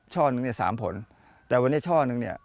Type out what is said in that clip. ช่อนึง๓ผลแต่วันนี้ช่อนึง